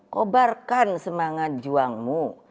kobarkan semangat juangmu